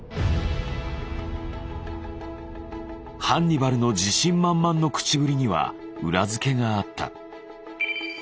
ハンニバルの自信満々の口ぶりには裏付けがあった。